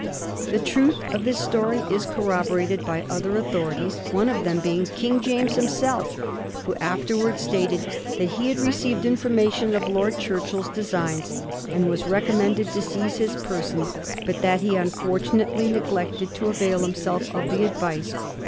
The truth of this story is cor roborated by other authorities, one of them being King James himself, who afterwards stated that he had received information of Lord Churchill's designs, and was recommended to seize his person, but that he unfortunately neglected to avail himself of the advice.